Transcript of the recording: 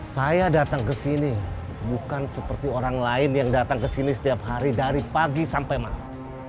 saya datang ke sini bukan seperti orang lain yang datang ke sini setiap hari dari pagi sampai malam